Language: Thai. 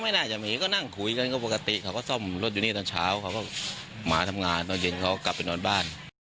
ไม่น่าจะมีก็นั่งคุยกันก็ปกติเขาก็ซ่อมรถอยู่นี่ตอนเช้าเขาก็มาทำงานตอนเย็นเขากลับไปนอนบ้าน